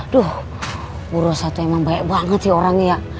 duh bu rosa tuh emang baik banget sih orangnya